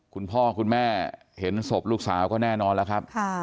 คุณพ่อคุณแม่เห็นศพลูกสาวก็แน่นอนแล้วครับ